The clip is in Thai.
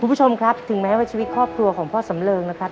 คุณผู้ชมครับถึงแม้ว่าชีวิตครอบครัวของพ่อสำเริงนะครับ